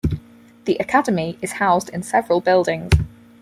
The Academy is housed in several buildings.